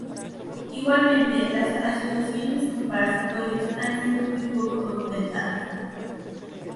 Igualmente, las asociaciones con parasitoides han sido muy poco documentadas.